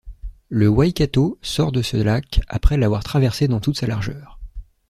Le Waikato sort de ce lac, après l’avoir traversé dans toute sa largeur.